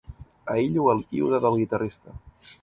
Aïllo el iode del guitarrista.